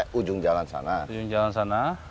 ini sampai ujung jalan sana